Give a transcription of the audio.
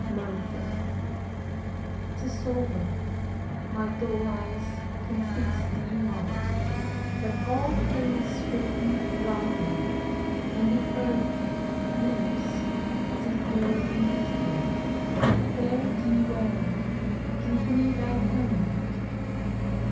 "MANFRED. 'Tis over my dull eyes can fix thee not; But all things swim around me, and the earth Heaves as it were beneath me. Fare thee well Give me thy hand.